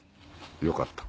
よかった。